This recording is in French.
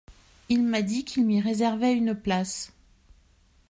Il m'a dit qu'il m'y réservait une place.